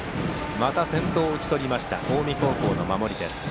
また先頭を打ち取りました近江高校の守り。